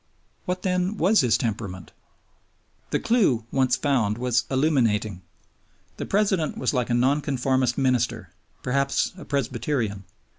What, then, was his temperament? The clue once found was illuminating. The President was like a Nonconformist minister, perhaps a Presbyterian.